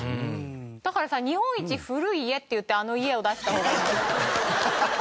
だからさ「日本一古い家」っていってあの家を出した方が。